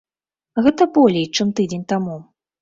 Гэта болей, чым тыдзень таму.